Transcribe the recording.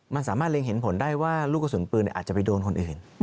มันสามารถเล็งเห็นผลได้ว่าลูกกระสุนปืนอาจจะไปโดนคนอื่น